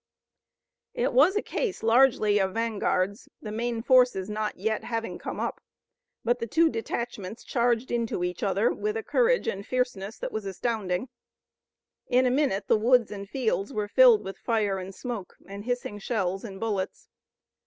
It was a case largely of vanguards, the main forces not yet having come up, but the two detachments charged into each other with a courage and fierceness that was astounding. In a minute the woods and fields were filled with fire and smoke, and hissing shells and bullets.